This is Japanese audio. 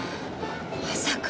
まさか。